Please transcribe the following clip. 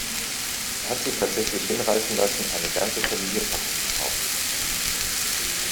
Er hat sich tatsächlich hinreißen lassen, eine ganze Familienpackung zu kaufen.